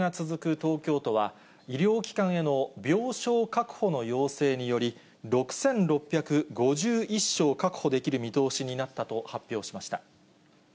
東京都は、医療機関への病床確保の要請により、６６５１床確保できる見通しになったと発表しました。